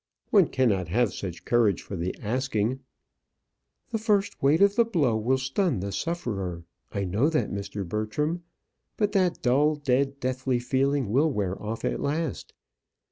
One cannot have such courage for the asking." "The first weight of the blow will stun the sufferer. I know that, Mr. Bertram. But that dull, dead, deathly feeling will wear off at last.